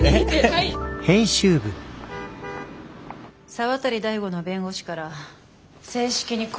沢渡大吾の弁護士から正式に抗議が来た。